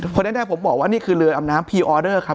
คนแรกผมบอกว่านี่คือเรืออำน้ำพรีออเดอร์ครับ